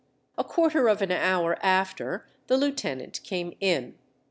A quarter of an hour after, the Lieutenant came in.